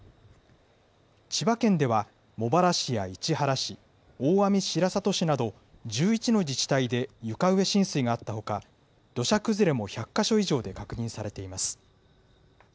千葉県では茂原市や市原市、大網白里市など、１１の自治体で床上浸水があったほか、土砂崩れも１００か所以上で確認されています。